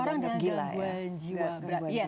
orang yang gangguan jiwa berat